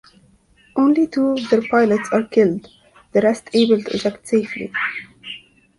Only two of their pilots are killed, the rest able to eject safely.